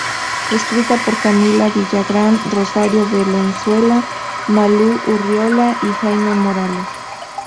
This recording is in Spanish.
Escrita por Camila Villagrán, Rosario Valenzuela, Malú Urriola y Jaime Morales.